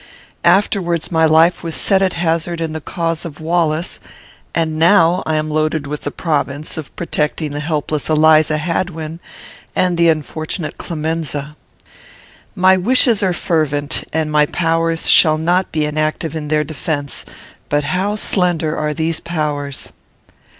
Afterwards my life was set at hazard in the cause of Wallace, and now am I loaded with the province of protecting the helpless Eliza Hadwin and the unfortunate Clemenza. My wishes are fervent, and my powers shall not be inactive in their defence; but how slender are these powers!